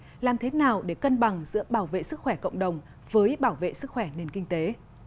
vậy làm thế nào để cân bằng giữa bảo vệ sức khỏe cộng đồng với bảo vệ sức khỏe nền kinh tế